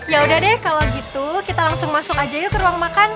ya udah deh kalau gitu kita langsung masuk aja yuk ke ruang makan